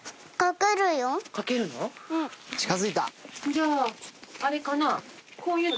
じゃああれかな？